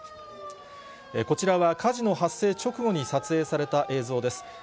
こちらは、火事の発生直後に撮影された映像です。